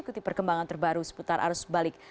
ikuti perkembangan terbaru seputar arus balik